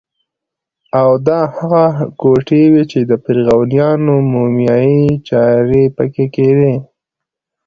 او دا هغه کوټې وې چې د فرعونیانو مومیایي چارې پکې کېدې.